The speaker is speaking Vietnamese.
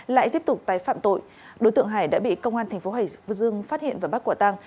lại tiếp tục tái phạm tội đối tượng hải đã bị công an thành phố hải dương phát hiện và bắt quả tang